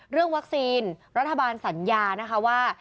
เรื่องวัคซีนรัฐบาลสัญญานะคะว่า